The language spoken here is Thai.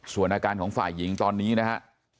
ส่วนอาการของฝ่ายหญิงตอนนี้นะฮะ